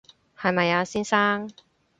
係咪啊，先生